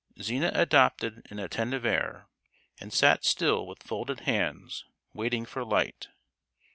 Zina adopted an attentive air, and sat still with folded hands, waiting for light.